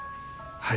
はい。